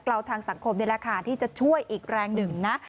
เราทางสังคมนี่แหละค่ะที่จะช่วยอีกแรงหนึ่งนะ